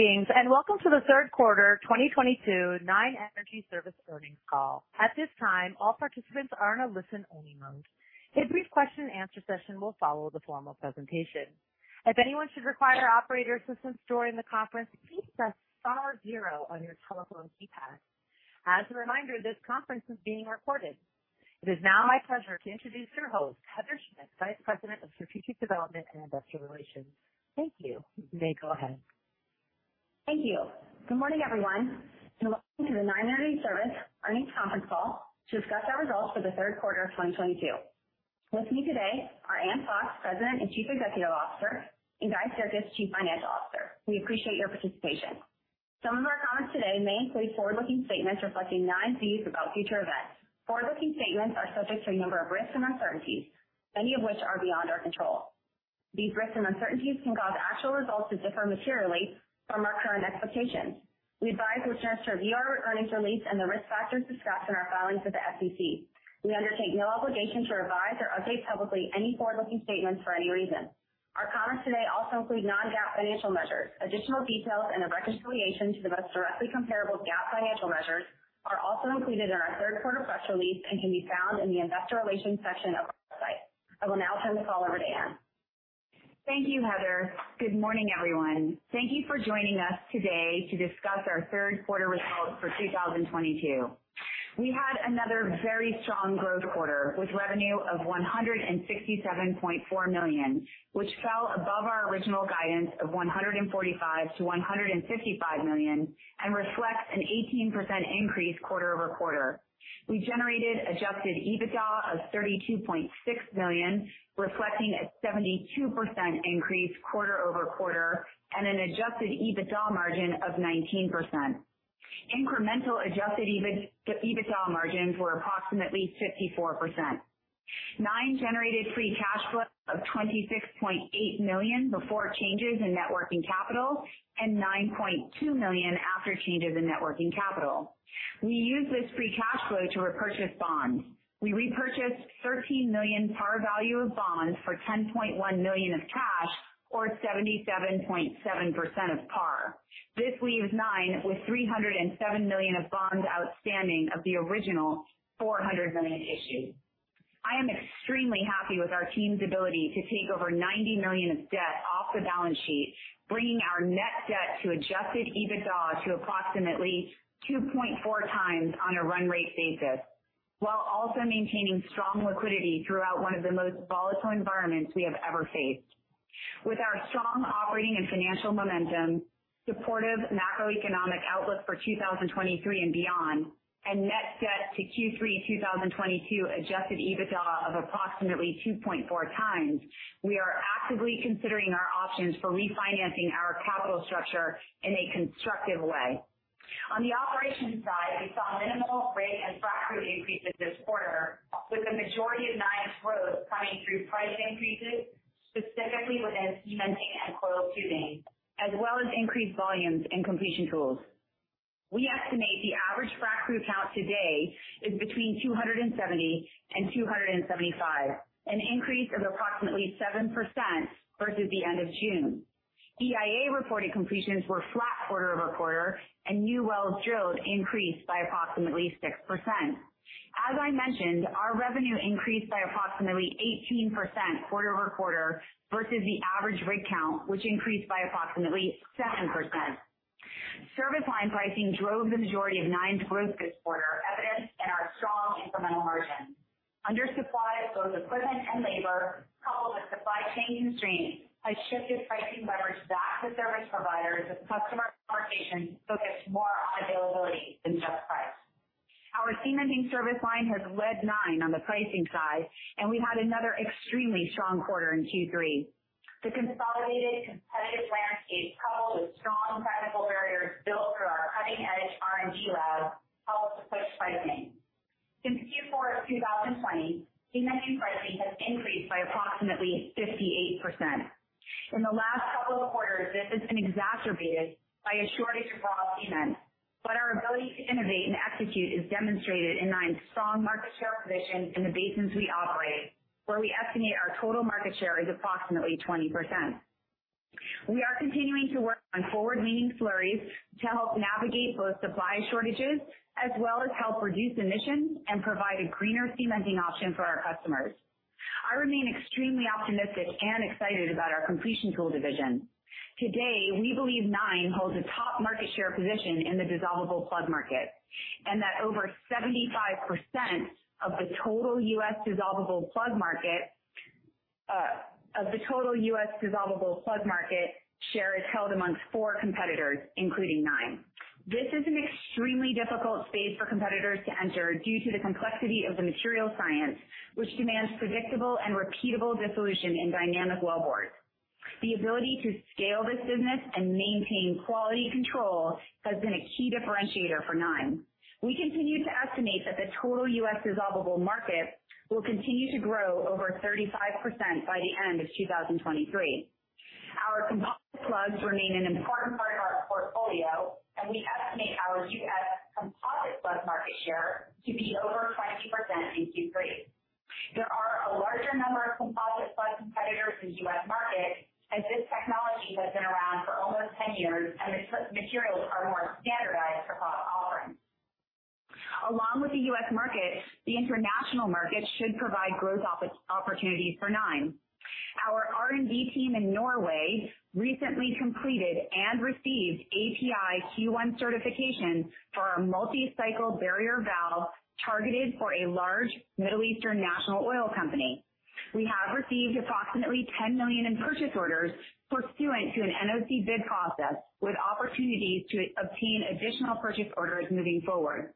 Welcome to the third quarter 2022 Nine Energy Service earnings call. At this time, all participants are in a listen-only mode. A brief question-and-answer session will follow the formal presentation. If anyone should require operator assistance during the conference, please press star zero on your telephone keypad. As a reminder, this conference is being recorded. It is now my pleasure to introduce your host, Heather Schmidt, Vice President of Strategic Development and Investor Relations. Thank you. You may go ahead. Thank you. Good morning, everyone, and welcome to the Nine Energy Service earnings conference call to discuss our results for the third quarter of 2022. With me today are Ann Fox, President and Chief Executive Officer, and Guy Sirkes, Chief Financial Officer. We appreciate your participation. Some of our comments today may include forward-looking statements reflecting Nine's views about future events. Forward-looking statements are subject to a number of risks and uncertainties, many of which are beyond our control. These risks and uncertainties can cause actual results to differ materially from our current expectations. We advise listeners to review our earnings release and the risk factors discussed in our filings with the SEC. We undertake no obligation to revise or update publicly any forward-looking statements for any reason. Our comments today also include non-GAAP financial measures. Additional details and the reconciliation to the most directly comparable GAAP financial measures are also included in our third quarter press release and can be found in the Investor Relations section of our website. I will now turn the call over to Ann. Thank you, Heather. Good morning, everyone. Thank you for joining us today to discuss our third quarter results for 2022. We had another very strong growth quarter with revenue of $167.4 million, which fell above our original guidance of $145 million-$155 million and reflects an 18% increase quarter-over-quarter. We generated adjusted EBITDA of $32.6 million, reflecting a 72% increase quarter-over-quarter and an adjusted EBITDA margin of 19%. Incremental adjusted EBITDA margins were approximately 54%. Nine generated free cash flow of $26.8 million before changes in net working capital and $9.2 million after changes in net working capital. We used this free cash flow to repurchase bonds. We repurchased $13 million par value of bonds for $10.1 million of cash or 77.7% of par. This leaves Nine with $307 million of bonds outstanding of the original $400 million issued. I am extremely happy with our team's ability to take over $90 million of debt off the balance sheet, bringing our net debt to adjusted EBITDA to approximately 2.4x on a run rate basis, while also maintaining strong liquidity throughout one of the most volatile environments we have ever faced. With our strong operating and financial momentum, supportive macroeconomic outlook for 2023 and beyond, and net debt to Q3 2022 adjusted EBITDA of approximately 2.4x, we are actively considering our options for refinancing our capital structure in a constructive way. On the operations side, we saw minimal rig and Frac Crew increases this quarter, with the majority of Nine's growth coming through price increases, specifically within cementing and coiled tubing, as well as increased volumes in completion tools. We estimate the average Frac Crew count today is between 270 and 275, an increase of approximately 7% versus the end of June. EIA reported completions were flat quarter-over-quarter, and new wells drilled increased by approximately 6%. As I mentioned, our revenue increased by approximately 18% quarter-over-quarter versus the average rig count, which increased by approximately 7%. Service line pricing drove the majority of Nine's growth this quarter, evidenced in our strong incremental margins. Undersupply of both equipment and labor, coupled with supply chain constraints, has shifted pricing leverage back to service providers as customer participation focused more on availability than just price. Our cementing service line has led Nine on the pricing side, and we had another extremely strong quarter in Q3. The consolidated competitive landscape, coupled with strong technical barriers built through our cutting-edge R&D lab, helped to push pricing. Since Q4 of 2020, cementing pricing has increased by approximately 58%. In the last couple of quarters, this has been exacerbated by a shortage of raw cement, but our ability to innovate and execute is demonstrated in Nine's strong market share position in the basins we operate, where we estimate our total market share is approximately 20%. We are continuing to work on forward-leaning slurries to help navigate both supply shortages as well as help reduce emissions and provide a greener cementing option for our customers. I remain extremely optimistic and excited about our completion tool division. Today, we believe Nine holds a top market share position in the dissolvable plug market and that over 75% of the total U.S. dissolvable plug market share is held amongst four competitors, including Nine. This is an extremely difficult space for competitors to enter due to the complexity of the material science, which demands predictable and repeatable dissolution in dynamic wellbore. The ability to scale this business and maintain quality control has been a key differentiator for Nine. We continue to estimate that the total U.S. dissolvable market will continue to grow over 35% by the end of 2023. Our composite plugs remain an important part of our portfolio, and we estimate our U.S. composite plug market share to be over 20% in Q3. There are a larger number of composite plug competitors in U.S. market as this technology has been around for almost 10 years and the materials are more standardized across offerings. Along with the U.S. market, the international market should provide growth opportunities for Nine. Our R&D team in Norway recently completed and received API Q1 certification for a multi-cycle barrier valve targeted for a large Middle Eastern national oil company. We have received approximately $10 million in purchase orders pursuant to an NOC bid process, with opportunities to obtain additional purchase orders moving forward.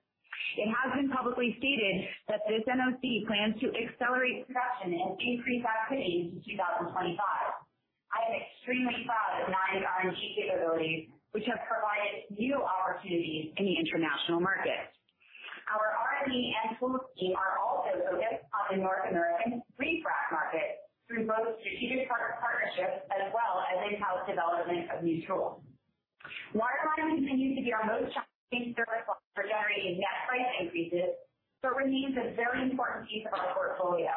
It has been publicly stated that this NOC plans to accelerate production and increase activity into 2025. I am extremely proud of Nine's R&D capabilities, which have provided new opportunities in the international market. Our R&D and tools team are also focused on the North American refrac market through both strategic partner partnerships as well as in-house development of new tools. Wireline continues to be our most challenging service line for generating net price increases but remains a very important piece of our portfolio.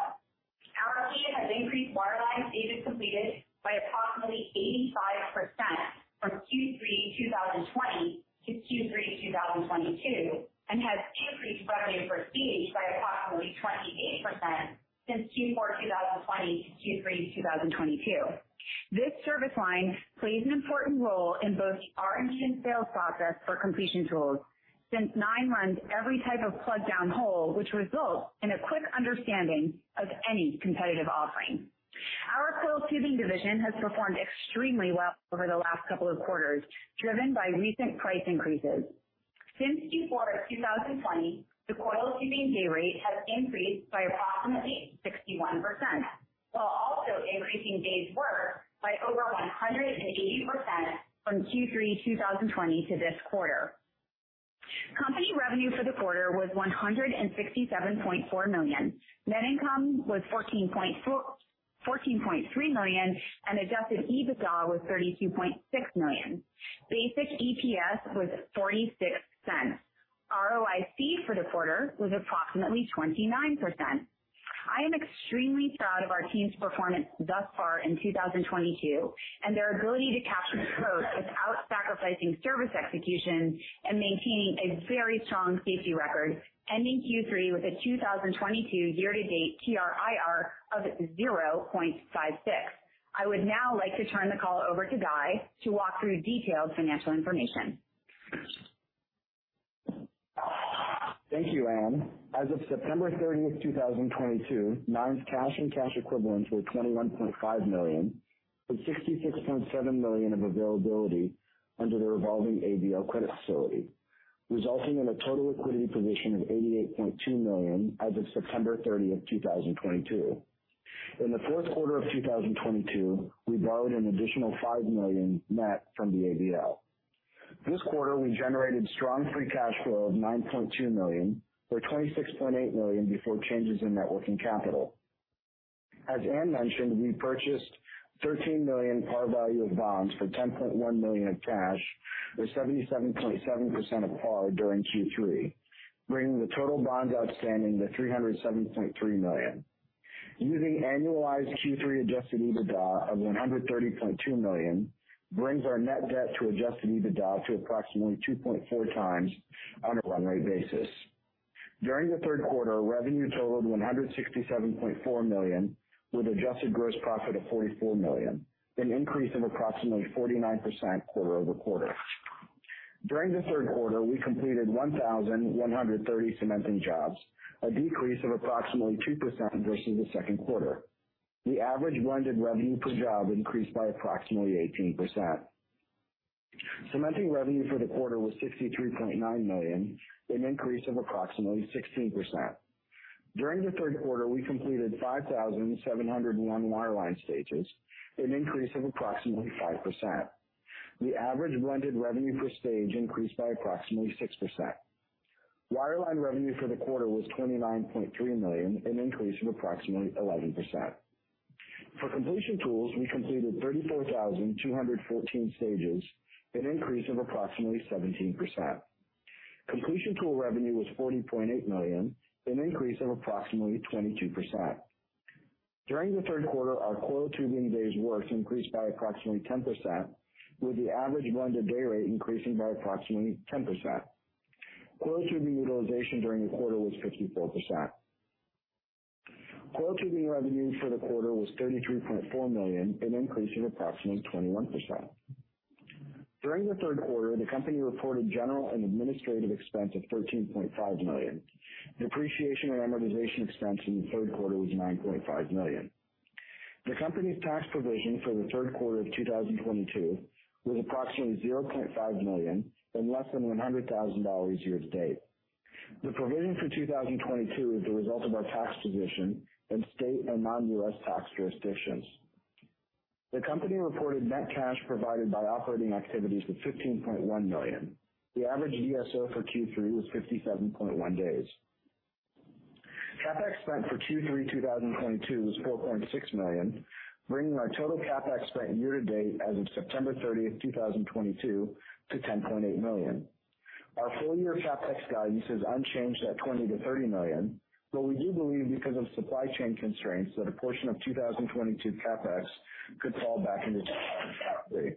Our team has increased wireline stages completed by approximately 85% from Q3 2020 to Q3 2022 and has increased revenue per stage by approximately 28% since Q4 2020 to Q3 2022. This service line plays an important role in both the R&D and sales process for completion tools since Nine runs every type of plug downhole, which results in a quick understanding of any competitive offering. Our coiled tubing division has performed extremely well over the last couple of quarters, driven by recent price increases. Since Q4 2020, the coiled tubing day rate has increased by approximately 61%, while also increasing days worked by over 180% from Q3 2020 to this quarter. Company revenue for the quarter was $167.4 million. Net income was $14.3 million and adjusted EBITDA was $32.6 million. Basic EPS was $0.46. ROIC for the quarter was approximately 29%. I am extremely proud of our team's performance thus far in 2022, and their ability to capture growth without sacrificing service execution and maintaining a very strong safety record, ending Q3 with a 2022 year to date TRIR of 0.56. I would now like to turn the call over to Guy to walk through detailed financial information. Thank you, Ann. As of September 30, 2022, Nine's cash and cash equivalents were $21.5 million, with $66.7 millions of availability under the revolving ABL credit facility, resulting in a total liquidity position of $88.2 million as of September 30, 2022. In the fourth quarter of 2022, we borrowed an additional $5 million net from the ABL. This quarter, we generated strong free cash flow of $9.2 million, or $26.8 million before changes in net working capital. As Ann mentioned, we purchased 13 million par value of bonds for $10.1 million of cash, with 77.7% of par during Q3, bringing the total bonds outstanding to $307.3 million. Using annualized Q3 adjusted EBITDA of $130.2 million brings our net debt to adjusted EBITDA to approximately 2.4x on a run rate basis. During the third quarter, revenue totaled $167.4 million with adjusted gross profit of $44 million, an increase of approximately 49% quarter-over-quarter. During the third quarter, we completed 1,130 cementing jobs, a decrease of approximately 2% versus the second quarter. The average blended revenue per job increased by approximately 18%. Cementing revenue for the quarter was $63.9 million, an increase of approximately 16%. During the third quarter, we completed 5,701 wireline stages, an increase of approximately 5%. The average blended revenue per stage increased by approximately 6%. Wireline revenue for the quarter was $29.3 million, an increase of approximately 11%. For completion tools, we completed 34,214 stages, an increase of approximately 17%. Completion tool revenue was $40.8 million, an increase of approximately 22%. During the third quarter, our coiled tubing days worked increased by approximately 10%, with the average blended day rate increasing by approximately 10%. Coiled tubing utilization during the quarter was 54%. Coiled tubing revenue for the quarter was $33.4 million, an increase of approximately 21%. During the third quarter, the company reported general and administrative expense of $13.5 million. Depreciation and amortization expense in the third quarter was $9.5 million. The company's tax provision for the third quarter of 2022 was approximately $0.5 million and less than $100,000 year to date. The provision for 2022 is the result of our tax position in state and non-U.S. tax jurisdictions. The company reported net cash provided by operating activities was $15.1 million. The average DSO for Q3 was 57.1 days. CapEx spent for Q3 2022 was $4.6 million, bringing our total CapEx spent year to date as of September 30, 2022, to $10.8 million. Our full-year CapEx guidance is unchanged at $20 million-$30 million, but we do believe because of supply chain constraints that a portion of 2022 CapEx could fall back into 2023.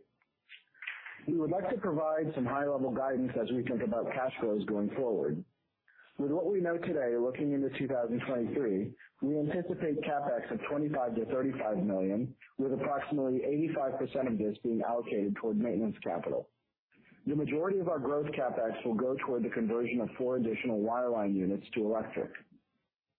We would like to provide some high-level guidance as we think about cash flows going forward. With what we know today, looking into 2023, we anticipate CapEx of $25-$35 million, with approximately 85% of this being allocated toward maintenance capital. The majority of our growth CapEx will go toward the conversion of 4 additional wireline units to electric.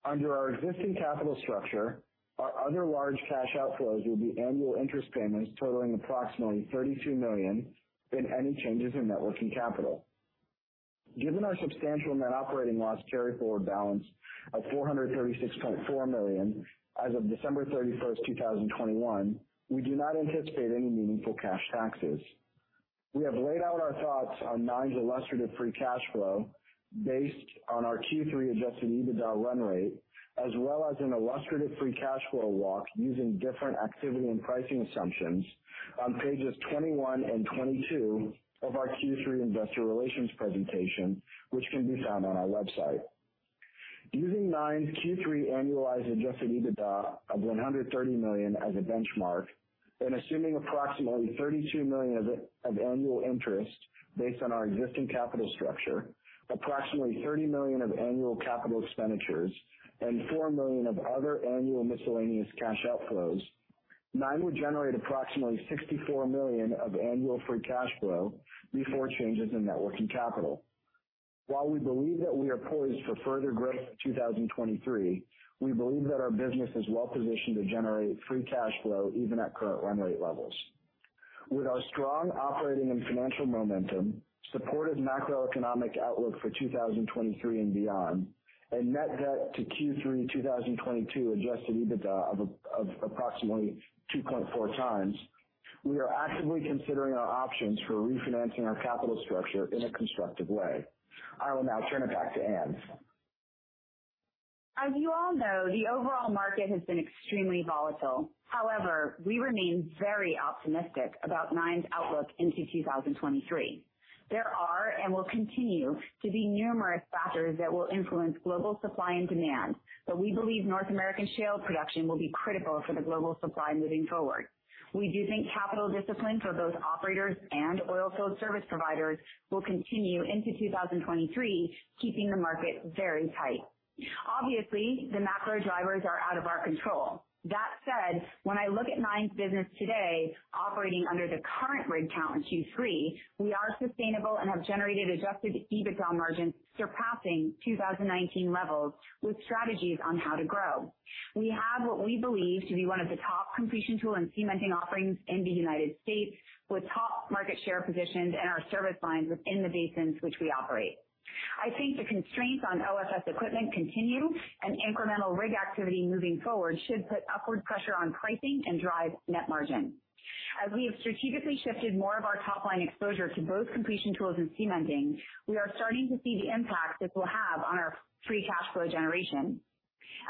Under our existing capital structure, our other large cash outflows will be annual interest payments totaling approximately $32 million in any changes in working capital. Given our substantial Net Operating Loss Carryforward balance of $436.4 million as of December 31, 2021, we do not anticipate any meaningful cash taxes. We have laid out our thoughts on Nine's illustrative free cash flow based on our Q3 adjusted EBITDA run rate, as well as an illustrative free cash flow walk using different activity and pricing assumptions on pages 21 and 22 of our Q3 investor relations presentation, which can be found on our website. Using Nine's Q3 annualized adjusted EBITDA of $130 million as a benchmark and assuming approximately $32 million of annual interest based on our existing capital structure, approximately $30 million of annual capital expenditures and $4 million of other annual miscellaneous cash outflows, Nine would generate approximately $64 million of annual free cash flow before changes in net working capital. While we believe that we are poised for further growth in 2023, we believe that our business is well positioned to generate free cash flow even at current run rate levels. With our strong operating and financial momentum, supportive macroeconomic outlook for 2023 and beyond, and net debt to Q3 2022 adjusted EBITDA of approximately 2.4 times, we are actively considering our options for refinancing our capital structure in a constructive way. I will now turn it back to Ann. As you all know, the overall market has been extremely volatile. However, we remain very optimistic about Nine's outlook into 2023. There are and will continue to be numerous factors that will influence global supply and demand, but we believe North American shale production will be critical for the global supply moving forward. We do think capital discipline for both operators and oilfield service providers will continue into 2023, keeping the market very tight. Obviously, the macro drivers are out of our control. That said, when I look at Nine's business today, operating under the current rig count in Q3, we are sustainable and have generated adjusted EBITDA margins surpassing 2019 levels with strategies on how to grow. We have what we believe to be one of the top completion tool and cementing offerings in the United States, with top market share positions in our service lines within the basins which we operate. I think the constraints on OFS equipment continue and incremental rig activity moving forward should put upward pressure on pricing and drive net margin. As we have strategically shifted more of our top line exposure to both completion tools and cementing, we are starting to see the impact this will have on our free cash flow generation.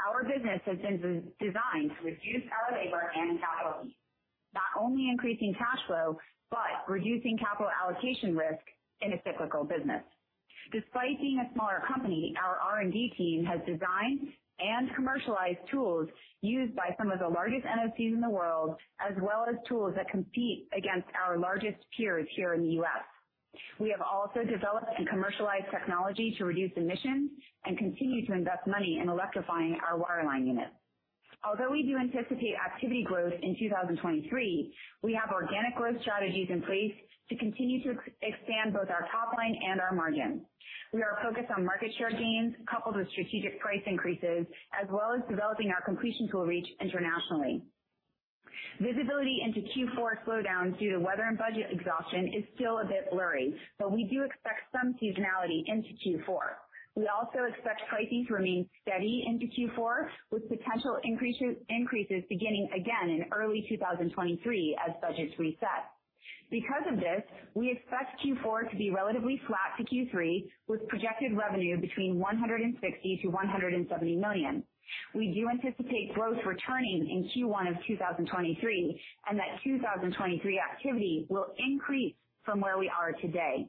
Our business has been redesigned to reduce our labor and capital, not only increasing cash flow, but reducing capital allocation risk in a cyclical business. Despite being a smaller company, our R&D team has designed and commercialized tools used by some of the largest NOCs in the world, as well as tools that compete against our largest peers here in the U.S. We have also developed and commercialized technology to reduce emissions and continue to invest money in electrifying our wireline units. Although we do anticipate activity growth in 2023, we have organic growth strategies in place to continue to expand both our top line and our margin. We are focused on market share gains coupled with strategic price increases, as well as developing our completion tool reach internationally. Visibility into Q4 slowdowns due to weather and budget exhaustion is still a bit blurry, but we do expect some seasonality into Q4. We also expect pricing to remain steady into Q4, with potential increases beginning again in early 2023 as budgets reset. Because of this, we expect Q4 to be relatively flat to Q3, with projected revenue between $160 million and $170 million. We do anticipate growth returning in Q1 of 2023, and that 2023 activity will increase from where we are today.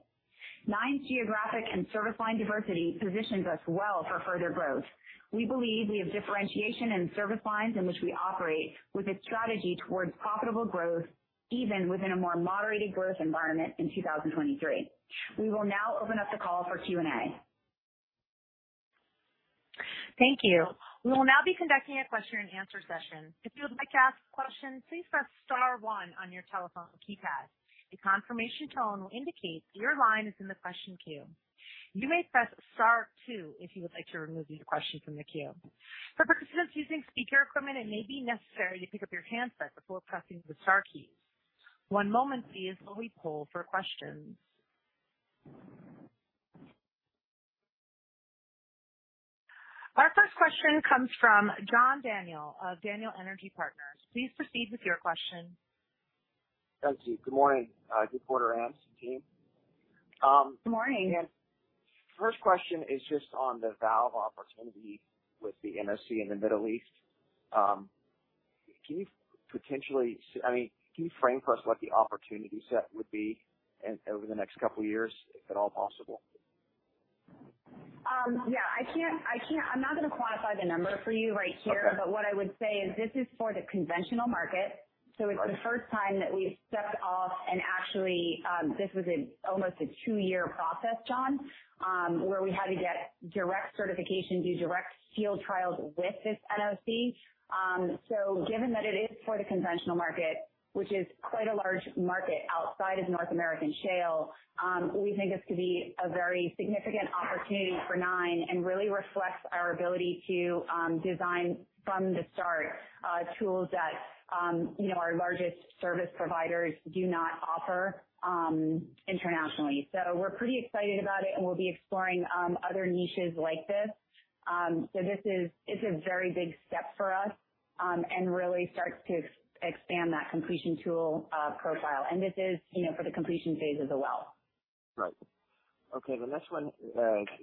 Nine's geographic and service line diversity positions us well for further growth. We believe we have differentiation in service lines in which we operate, with a strategy towards profitable growth even within a more moderated growth environment in 2023. We will now open up the call for Q&A. Thank you. We will now be conducting a question-and-answer session. If you would like to ask a question, please press star one on your telephone keypad. A confirmation tone will indicate that your line is in the question queue. You may press star two if you would like to remove your question from the queue. For participants using speaker equipment, it may be necessary to pick up your handset before pressing the star keys. One moment, please, while we poll for questions. Our first question comes from John Daniel of Daniel Energy Partners. Please proceed with your question. Thank you. Good morning. Good quarter, Ann's team. Good morning. First question is just on the valve opportunity with the NOC in the Middle East. I mean, can you frame for us what the opportunity set would be in, over the next couple of years, if at all possible? Yeah, I can't. I'm not gonna quantify the number for you right here. Okay. What I would say is this is for the conventional market. Okay. It's the first time that we've stepped off and actually, this was almost a two-year process, John, where we had to get direct certification, do direct field trials with this NOC. Given that it is for the conventional market, which is quite a large market outside of North American shale, we think this could be a very significant opportunity for Nine and really reflects our ability to design from the start, tools that, you know, our largest service providers do not offer, internationally. We're pretty excited about it, and we'll be exploring other niches like this. This is, it's a very big step for us, and really starts to expand that completion tool profile. This is, you know, for the completion phase of the well. Right. Okay, the next one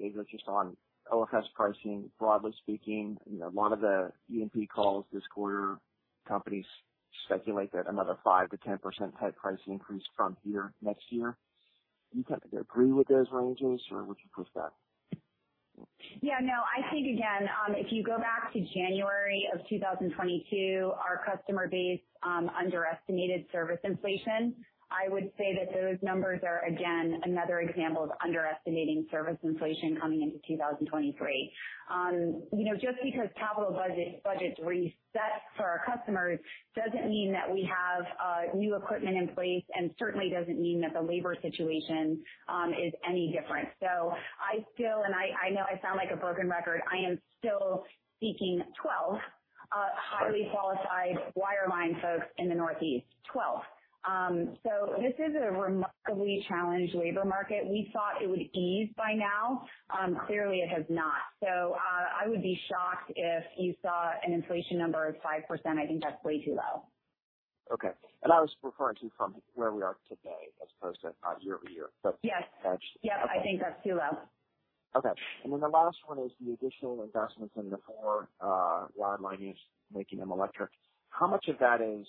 is just on OFS pricing. Broadly speaking, you know, a lot of the E&P calls this quarter, companies speculate that another 5%-10% type price increase from here next year. Do you kind of agree with those ranges or what's your forecast? Yeah, no, I think again, if you go back to January of 2022, our customer base underestimated service inflation. I would say that those numbers are, again, another example of underestimating service inflation coming into 2023. You know, just because capital budgets reset for our customers doesn't mean that we have new equipment in place and certainly doesn't mean that the labor situation is any different. I still, and I know I sound like a broken record, I am still seeking 12 highly qualified wireline folks in the Northeast. 12. This is a remarkably challenged labor market. We thought it would ease by now. Clearly it has not. I would be shocked if you saw an inflation number of 5%. I think that's way too low. Okay. I was referring to from where we are today as opposed to year-over-year. Yes. Gotcha. Yeah, I think that's too low. Okay. The last one is the additional investments in the four Wireline units, making them electric. How much of that is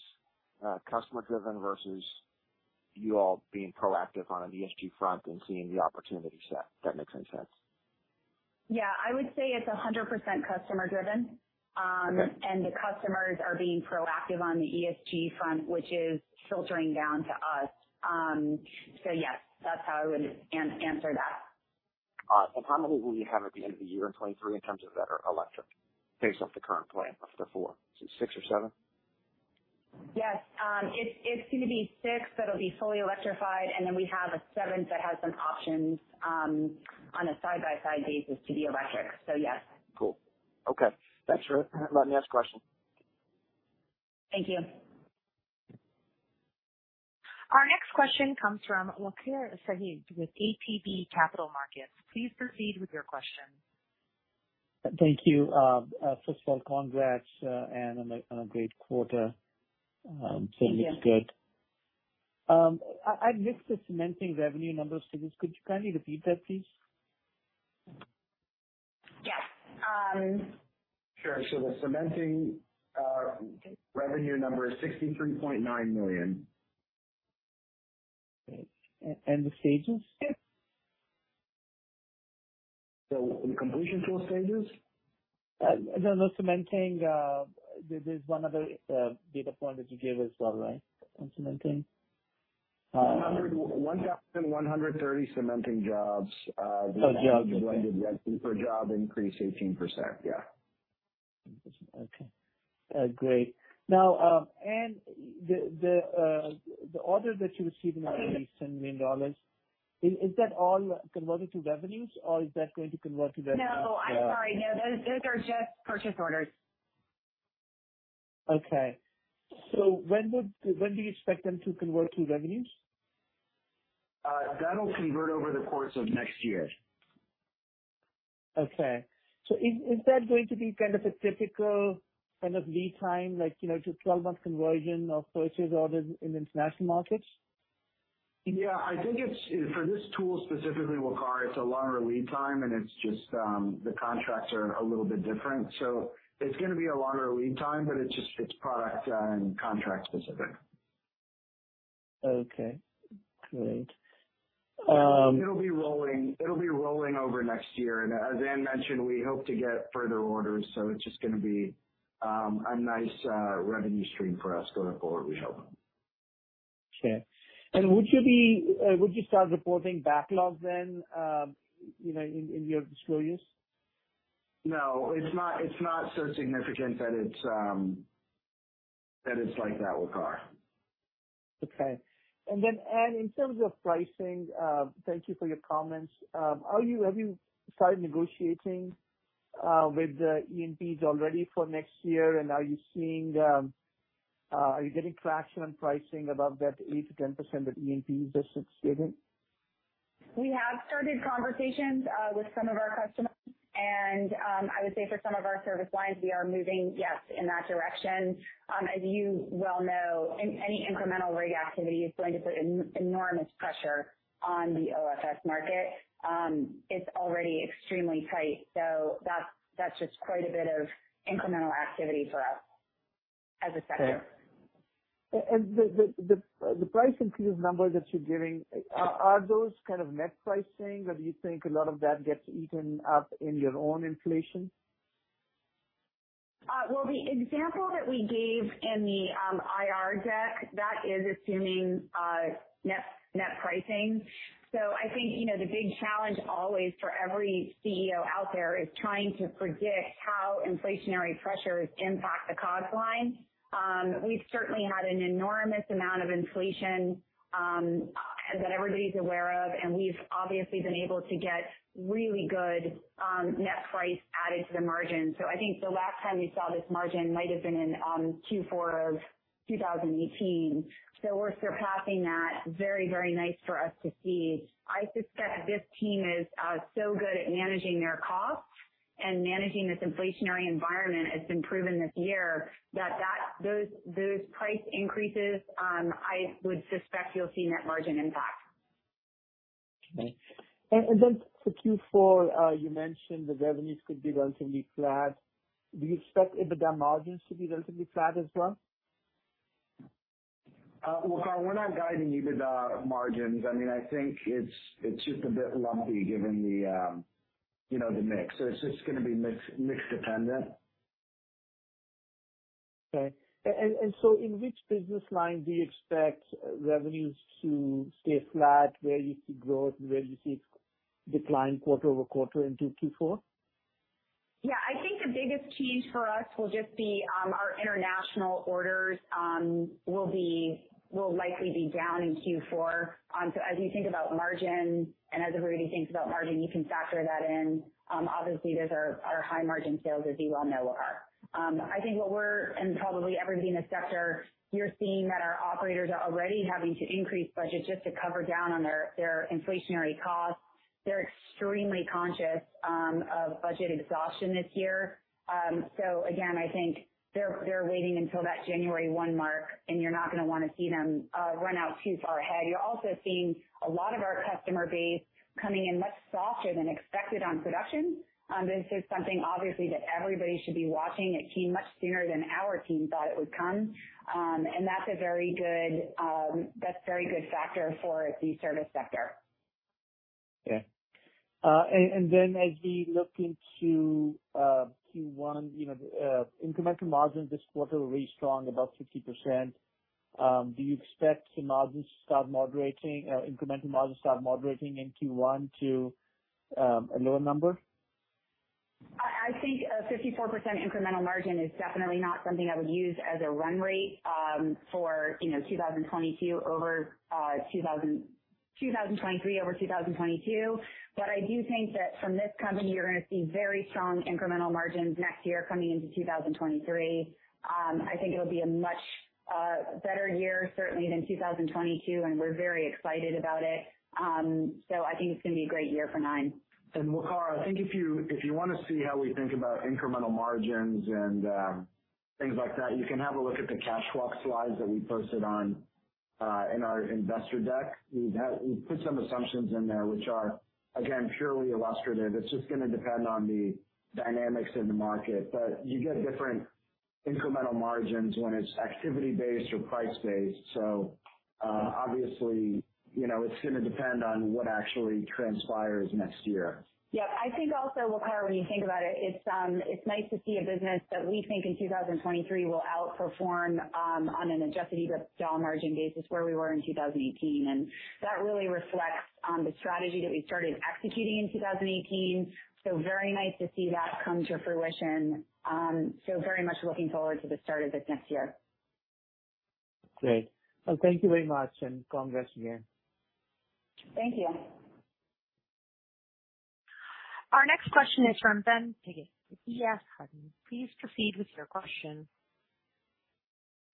customer driven versus you all being proactive on an ESG front and seeing the opportunity set, if that makes any sense? Yeah, I would say it's 100% customer driven. Okay. The customers are being proactive on the ESG front, which is filtering down to us. Yes, that's how I would answer that. How many will you have at the end of the year in 2023 in terms of that are electric based off the current plan of the four? Is it six or seven? Yes. It's gonna be six that'll be fully electrified and then we have a seventh that has some options on a side-by-side basis to be electric. Yes. Cool. Okay. Thanks for letting me ask questions. Thank you. Our next question comes from Waqar Syed with ATB Capital Markets. Please proceed with your question. Thank you. First of all, congrats, Ann, on a great quarter. Thank you. It looks good. I missed the cementing revenue numbers. Could you kindly repeat that, please? Yes. Sure. The cementing revenue number is $63.9 million. Okay. The stages? Yeah. In completion tool stages? No, cementing. There's one other data point that you gave as well, right? On cementing. 1,130 cementing jobs. Oh, jobs. Okay. Per job increase 18%. Yeah. Ann, the order that you received in October, $7 million, is that all converted to revenues or is that going to convert to the- No, I'm sorry. No, those are just purchase orders. When do you expect them to convert to revenues? That'll convert over the course of next year. Okay. Is that going to be kind of a typical kind of lead time, like, you know, just 12-month conversion of purchase orders in international markets? Yeah, I think it's for this tool specifically, Waqar. It's a longer lead time and it's just the contracts are a little bit different. It's gonna be a longer lead time, but it's just product and contract specific. Okay, great. It'll be rolling over next year. As Ann mentioned, we hope to get further orders, so it's just gonna be a nice revenue stream for us going forward, we hope. Okay. Would you start reporting backlogs then, you know, in your disclosures? No, it's not so significant that it's like that, Waqar. Ann, in terms of pricing, thank you for your comments. Have you started negotiating with the E&Ps already for next year? Are you getting traction on pricing above that 8%-10% that E&P just stated? We have started conversations with some of our customers. I would say for some of our service lines, we are moving, yes, in that direction. As you well know, any incremental rig activity is going to put enormous pressure on the OFS market. It's already extremely tight, so that's just quite a bit of incremental activity for us as a sector. The price increase number that you're giving, are those kind of net pricing or do you think a lot of that gets eaten up in your own inflation? Well, the example that we gave in the IR deck, that is assuming net pricing. I think, you know, the big challenge always for every CEO out there is trying to predict how inflationary pressures impact the cost line. We've certainly had an enormous amount of inflation that everybody's aware of, and we've obviously been able to get really good net price added to the margin. I think the last time you saw this margin might have been in Q4 of 2018. We're surpassing that. Very nice for us to see. I suspect this team is so good at managing their costs and managing this inflationary environment. It's been proven this year that those price increases I would suspect you'll see net margin impact. Okay. Then for Q4, you mentioned the revenues could be relatively flat. Do you expect EBITDA margins to be relatively flat as well? Well, we're not guiding EBITDA margins. I mean, I think it's just a bit lumpy given the, you know, the mix. It's just gonna be mix dependent. Okay. In which business line do you expect revenues to stay flat? Where do you see growth? Where do you see decline quarter-over-quarter into Q4? Yeah. I think the biggest change for us will just be our international orders will likely be down in Q4. As you think about margin and as everybody thinks about margin, you can factor that in. Obviously, those are our high margin sales, as you well know. I think, and probably everybody in the sector, you're seeing that our operators are already having to increase budget just to cover down on their inflationary costs. They're extremely conscious of budget exhaustion this year. Again, I think they're waiting until that January 1 mark, and you're not gonna wanna see them run out too far ahead. You're also seeing a lot of our customer base coming in much softer than expected on production. This is something obviously that everybody should be watching. It came much sooner than our team thought it would come. That's a very good factor for the service sector. As we look into Q1, you know, incremental margins this quarter were really strong, about 50%. Do you expect the margins to start moderating or incremental margins start moderating in Q1 to a lower number? I think a 54% incremental margin is definitely not something I would use as a run rate, you know, for 2023 over 2022. I do think that from this company, you're gonna see very strong incremental margins next year coming into 2023. I think it'll be a much better year certainly than 2022, and we're very excited about it. I think it's gonna be a great year for Nine. Waqar, I think if you wanna see how we think about incremental margins and things like that, you can have a look at the cash walk slides that we posted on in our investor deck. We put some assumptions in there which are, again, purely illustrative. It's just gonna depend on the dynamics in the market, but you get different incremental margins when it's activity-based or price-based. Obviously, you know, it's gonna depend on what actually transpires next year. Yeah. I think also, Waqar, when you think about it's nice to see a business that we think in 2023 will outperform on an adjusted EBITDA margin basis where we were in 2018. That really reflects on the strategy that we started executing in 2018. Very nice to see that come to fruition. So very much looking forward to the start of this next year. Great. Well, thank you very much, and congrats again. Thank you. Our next question is from Ben Piggott with EF Hutton. Please proceed with your question.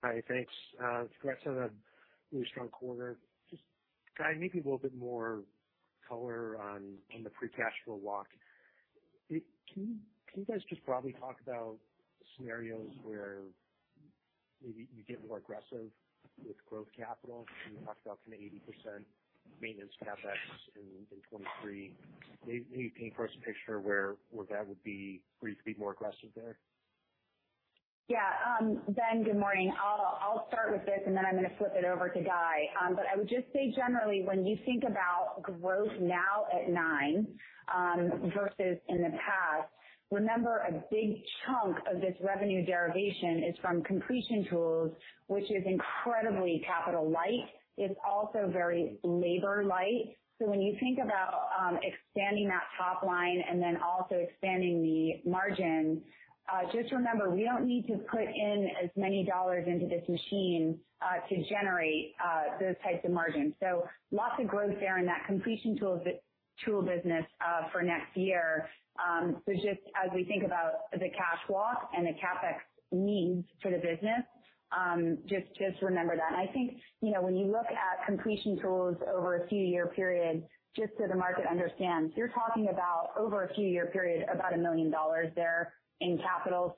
Hi. Thanks. Congrats on a really strong quarter. Just give me a little bit more color on the free cash flow walk. Can you guys just broadly talk about scenarios where maybe you get more aggressive with growth capital? You talked about kind of 80% maintenance CapEx in 2023. Maybe you paint for us a picture where that would be for you to be more aggressive there? Yeah. Ben, good morning. I'll start with this, and then I'm gonna flip it over to Guy. I would just say generally, when you think about growth now at Nine, versus in the past, remember a big chunk of this revenue derivation is from completion tools, which is incredibly capital light. It's also very labor light. When you think about expanding that top line and then also expanding the margin, just remember, we don't need to put in as many dollars into this machine to generate those types of margins. Lots of growth there in that completion tools business for next year. Just as we think about the cash walk and the CapEx needs for the business, just remember that. I think, you know, when you look at completion tools over a few year period, just so the market understands, you're talking about over a few year period, about $1 million there in capital.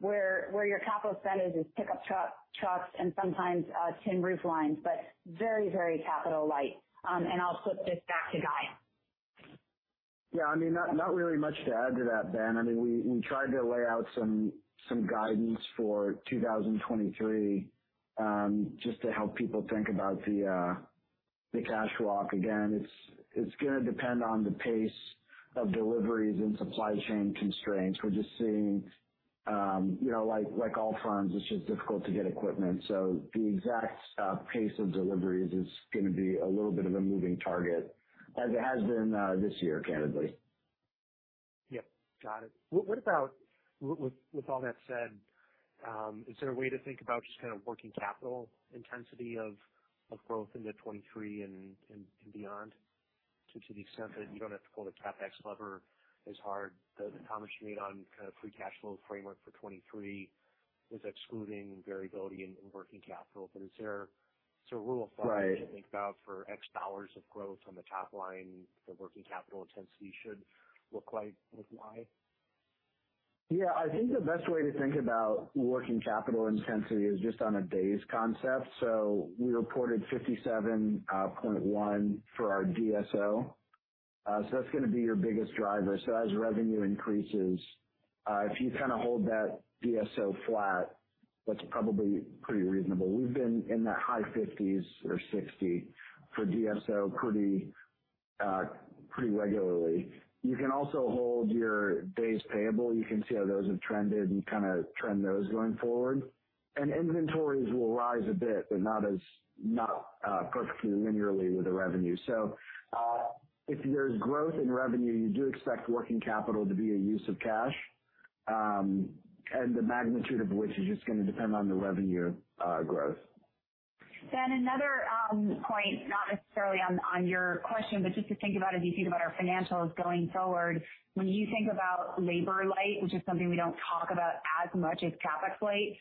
Where your capital spend is pickup trucks and sometimes wireline, but very, very capital light. I'll flip this back to Guy. Yeah, I mean, not really much to add to that, Ben. I mean, we tried to lay out some guidance for 2023, just to help people think about the cash flow. Again, it's gonna depend on the pace of deliveries and supply chain constraints. We're just seeing, you know, like all firms, it's just difficult to get equipment. The exact pace of deliveries is gonna be a little bit of a moving target, as it has been, this year, candidly. Yep. Got it. With all that said, is there a way to think about just kind of working capital intensity of growth into 2023 and beyond to the extent that you don't have to pull the CapEx lever as hard? The comments you made on kind of free cash flow framework for 2023 is excluding variability in working capital. Is there a rule of thumb- Right. to think about for $X of growth on the top line, the working capital intensity should look like Y? Yeah. I think the best way to think about working capital intensity is just on a days concept. We reported 57.1 for our DSO. That's gonna be your biggest driver. As revenue increases, if you kinda hold that DSO flat, that's probably pretty reasonable. We've been in the high 50s or 60 for DSO pretty regularly. You can also hold your days payable. You can see how those have trended and kinda trend those going forward. Inventories will rise a bit, but not perfectly linearly with the revenue. If there's growth in revenue, you do expect working capital to be a use of cash, and the magnitude of which is just gonna depend on the revenue growth. Another point, not necessarily on your question, but just to think about as you think about our financials going forward. When you think about labor light, which is something we don't talk about as much as CapEx light,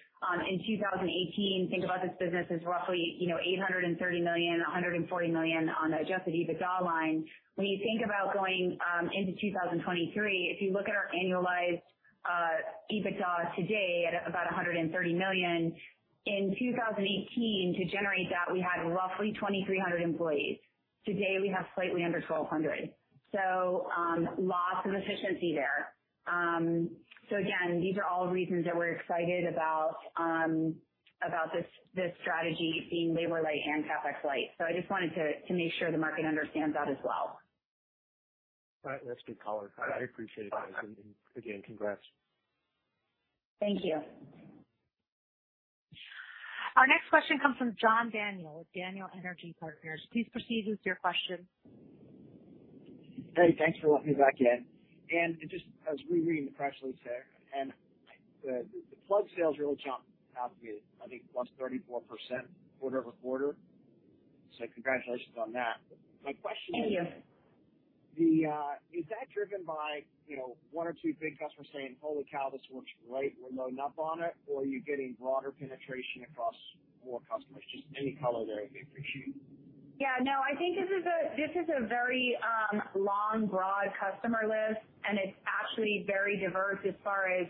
in 2018, think about this business as roughly, you know, $830 million, $140 million on the adjusted EBITDA line. When you think about going into 2023, if you look at our annualized EBITDA today at about $130 million, in 2018, to generate that, we had roughly 2,300 employees. Today, we have slightly under 1,200. So, lots of efficiency there. So again, these are all reasons that we're excited about this strategy being labor light and CapEx light. I just wanted to make sure the market understands that as well. All right. That's good color. I appreciate it. Again, congrats. Thank you. Our next question comes from John Daniel with Daniel Energy Partners. Please proceed with your question. Hey, thanks for letting me back in. Just, I was rereading the press release there, and the plug sales really jumped out at me, I think plus 34% quarter-over-quarter. Congratulations on that. My question is- Thank you. Is that driven by, you know, one or two big customers saying, "Holy cow, this works great. We're loading up on it," or are you getting broader penetration across more customers? Just any color there would be appreciated. Yeah, no, I think this is a very long, broad customer list, and it's actually very diverse as far as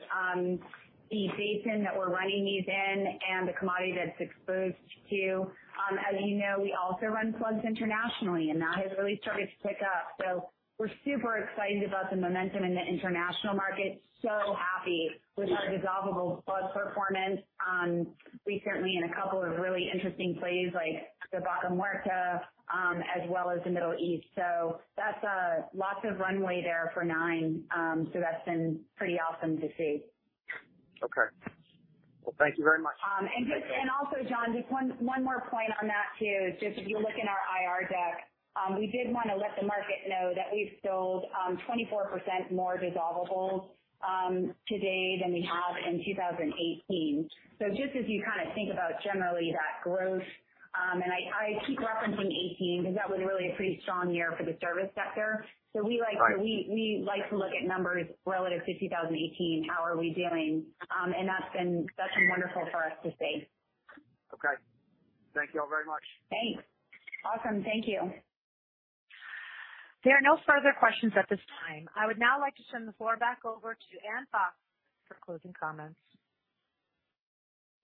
the basin that we're running these in and the commodity that it's exposed to. As you know, we also run plugs internationally, and that has really started to pick up. We're super excited about the momentum in the international market. Happy with our dissolvable plug performance recently in a couple of really interesting plays like the Vaca Muerta as well as the Middle East. That's lots of runway there for Nine. That's been pretty awesome to see. Okay. Well, thank you very much. Also, John, just one more point on that too. Just if you look in our IR deck, we did wanna let the market know that we've sold 24% more dissolvables today than we have in 2018. Just as you kinda think about generally that growth, and I keep referencing 2018 'cause that was really a pretty strong year for the service sector. We like- Right. We like to look at numbers relative to 2018, how are we doing. That's been wonderful for us to see. Okay. Thank y'all very much. Thanks. Awesome. Thank you. There are no further questions at this time. I would now like to turn the floor back over to Ann Fox for closing comments.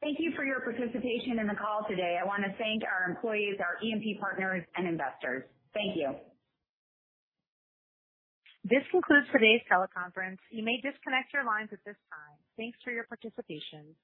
Thank you for your participation in the call today. I wanna thank our employees, our E&P partners, and investors. Thank you. This concludes today's teleconference. You may disconnect your lines at this time. Thanks for your participation.